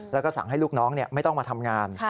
แล้วก็สั่งให้ลูกน้องไม่ต้องมาทำงาน